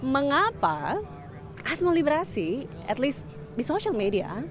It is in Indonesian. mengapa asma liberasi at least di social media